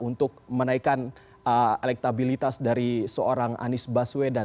untuk menaikkan elektabilitas dari seorang anies baswedan